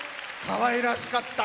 かわいらしかった。